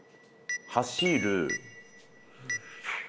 走る。